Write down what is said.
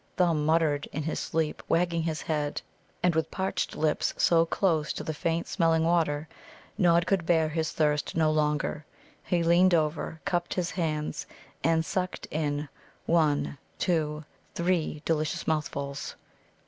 Thumb muttered in his sleep, wagging his head. And with parched lips, so close to that faint smelling water, Nod could bear his thirst no longer. He leaned over, cupped his hands, and sucked in one, two, three delicious mouthfuls.